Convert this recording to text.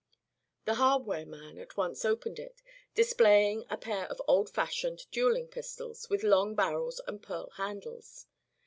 The hardware man at once opened it, displaying a pair of old fashioned dueling pistols, with long barrels and pearl handles.